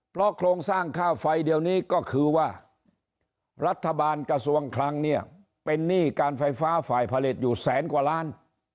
เพราะโครงสร้างค่าไฟเดี๋ยวนี้ก็คือว่ารัฐบาลกระทรวงคลังเนี่ยเป็นหนี้การไฟฟ้าฝ่ายผลิตอยู่แสนกว่าล้าน